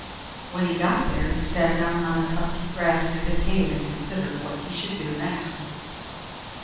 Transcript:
When he got there, he sat down on a tuft of grass near the cave, and considered what he should do next.